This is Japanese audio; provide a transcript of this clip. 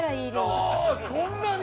あそんなに？